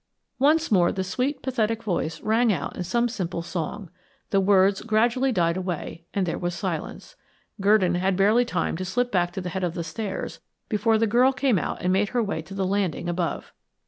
Once more the sweet pathetic voice rang out in some simple song; the words gradually died away, and there was silence. Gurdon had barely time to slip back to the head of the stairs before the girl came out and made her way to the landing above.